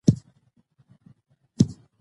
سیاسي ثبات د ګډ هدف پایله ده